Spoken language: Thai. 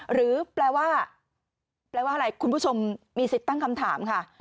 หรือแปลว่าแปลว่าอะไรคุณผู้ชมมีสิทธิ์ตั้งคำถามค่ะ